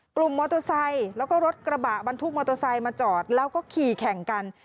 กลุ่มมอเตอร์ไซค์แล้วก็รถกระบะบรรทุกมอเตอร์ไซค์มาจอดแล้วก็ขี่แข่งกัน